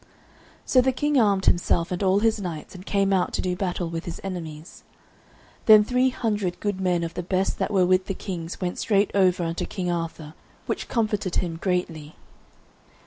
So the King armed himself and all his knights and came out to do battle with his enemies. Then three hundred good men of the best that were with the kings went straight over unto King Arthur, which comforted him greatly.